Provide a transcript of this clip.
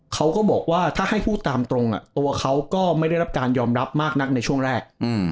เขาก็บอกว่าถ้าให้พูดตามตรงตัวเขาก็ไม่ได้รับการยอมรับมากนักในช่วงแรก